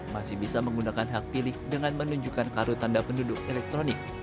masih bisa menggunakan hak pilih dengan menunjukkan kartu tanda penduduk elektronik